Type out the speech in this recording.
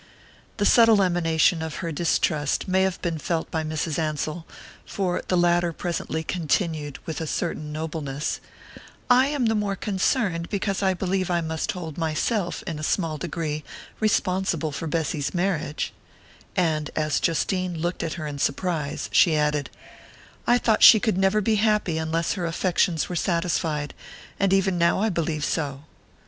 The subtle emanation of her distrust may have been felt by Mrs. Ansell; for the latter presently continued, with a certain nobleness: "I am the more concerned because I believe I must hold myself, in a small degree, responsible for Bessy's marriage " and, as Justine looked at her in surprise, she added: "I thought she could never be happy unless her affections were satisfied and even now I believe so."